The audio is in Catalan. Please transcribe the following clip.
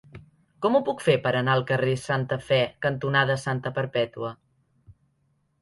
Com ho puc fer per anar al carrer Santa Fe cantonada Santa Perpètua?